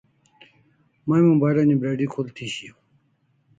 May mobile ani battery khul thi shiaw